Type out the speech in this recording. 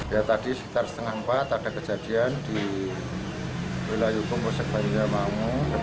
ya tadi sekitar setengah empat ada kejadian di wilayah hukum posek banjar mangu